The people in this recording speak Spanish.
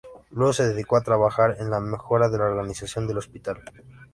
Luego se dedicó a trabajar en la mejora de la organización del hospital.